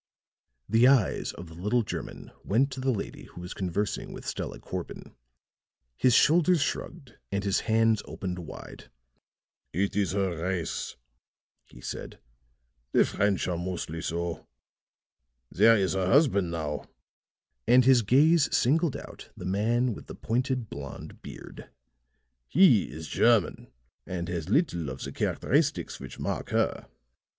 The eyes of the little German went to the lady who was conversing with Stella Corbin. His shoulders shrugged and his hands opened wide. "It is her race," he said. "The French are mostly so. There is her husband, now," and his gaze singled out the man with the pointed blond beard; "he is German, and has little of the characteristics which mark her."